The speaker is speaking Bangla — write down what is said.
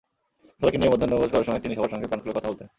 সবাইকে নিয়ে মধ্যাহ্নভোজ করার সময় তিনি সবার সঙ্গে প্রাণ খুলে কথা বলতেন।